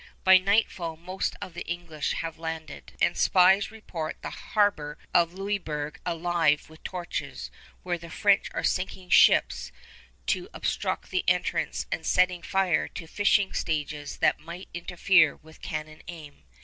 By nightfall the most of the English have landed, and spies report the harbor of Louisburg alive with torches where the French are sinking ships to obstruct the entrance and setting fire to fishing stages that might interfere with cannon aim.